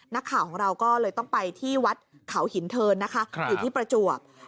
นักข่าวของเราก็เลยต้องไปที่วัดเขาหินเทินนะคะอยู่ที่ประจวบ